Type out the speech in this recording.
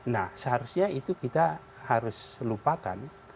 nah seharusnya itu kita harus lupakan